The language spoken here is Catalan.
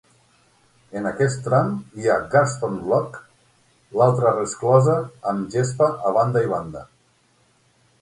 En aquest tram hi ha Garston Lock, l'altra resclosa amb gespa a banda i banda.